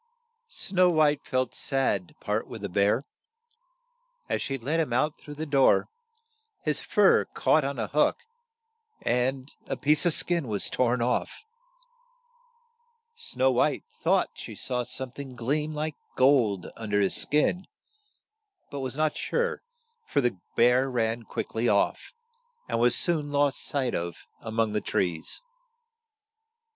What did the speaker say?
" Snow White felt sad to part with the bear. As she let him out through the door, his fur caught on a hook, and a piece of skin was torn off. Snow White thought she saw some thing gleam like gold un der his skin, but was not sure, for the bear ran quick ly off, and was soon lost sight of a mong the trees.